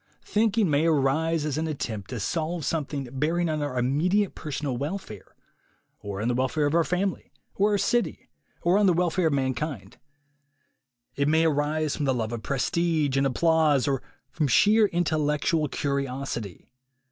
Thinking may arise as an attempt to solve something bearing on our immediate per sonal welfare, or on the welfare of our family or our city, or on the welfare of mankind; it may arise from the love of prestige and applause or from sheer intellectual curiosity.